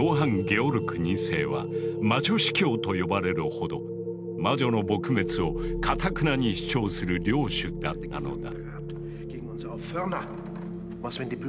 ゲオルク２世は「魔女司教」と呼ばれるほど魔女の撲滅をかたくなに主張する領主だったのだ。